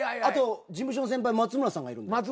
あと事務所の先輩松村さんがいるんで。